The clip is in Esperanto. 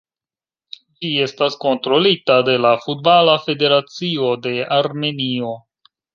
Ĝi estas kontrolita de la Futbala Federacio de Armenio.